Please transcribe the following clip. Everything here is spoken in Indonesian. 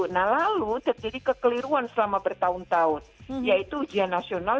nah lalu terjadi kekeliruan selama bertahun tahun yaitu ujian nasional